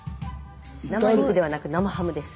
生肉ではなく生ハムです。